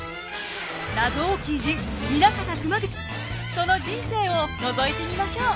その人生をのぞいてみましょう。